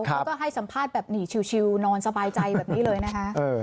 เขาก็ให้สัมภาษณ์แบบนี้ชิวนอนสบายใจแบบนี้เลยนะคะ